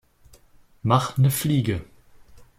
Mach 'ne Fliege!